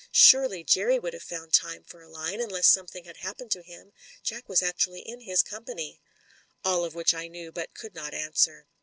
Surely, Jerry would have found time for a line, unless something had happened to him; Jack was actually in his company." All of which I knew, but could not answer.